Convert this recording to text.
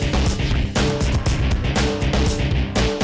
ember ember mbak